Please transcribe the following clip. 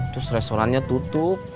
terus restorannya tutup